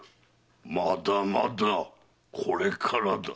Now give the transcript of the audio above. まだまだこれからだ！